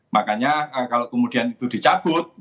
makanya kalau kemudian itu dicabut